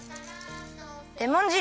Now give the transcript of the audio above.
レモン汁！